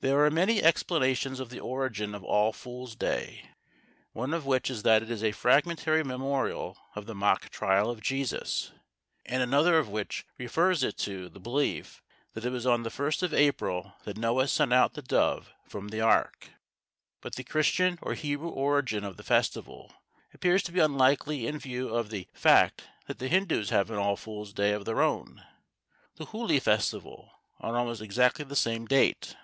There are many explanations of the origin of All Fools' Day, one of which is that it is a fragmentary memorial of the mock trial of Jesus, and another of which refers it to the belief that it was on the first of April that Noah sent out the dove from the Ark. But the Christian or Hebrew origin of the festival appears to be unlikely in view of the fact that the Hindus have an All Fools' Day of their own, the Huli Festival, on almost exactly the same date.